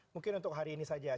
mungkin untuk hari ini saja